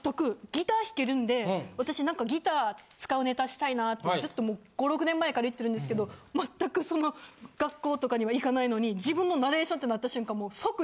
ギター弾けるんで私何かギター使うネタしたいなってずっともう５６年前から言ってるんですけど全くその学校とかには行かないのに。